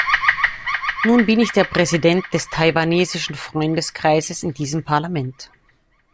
Nun bin ich der Präsident des taiwanesischen Freundeskreises in diesem Parlament.